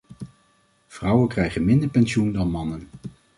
Vrouwen krijgen minder pensioen dan mannen.